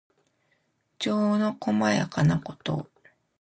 情のこまやかなこと。